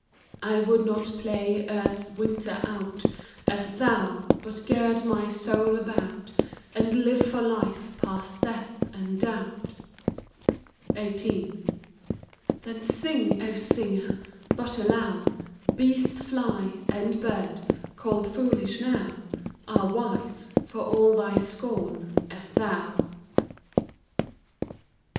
I would not play earth's winter out, As thoii ; but gird my soul about, And live for life past death and doubt. XVIII. " Then sing, O singer! — but allow Beast, fly, and bird, called foolish now, Are wise (for all thy scorn) as thou